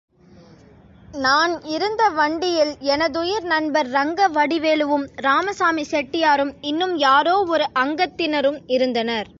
நான் இருந்த வண்டியில் எனதுயிர் நண்பர் ரங்கவடிவேலுவும் ராமசாமி செட்டியாரும் இன்னும் யாரோ ஒரு அங்கத்தினரும் இருந்தனர்.